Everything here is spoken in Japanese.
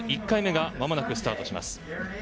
１回目がまもなくスタートします。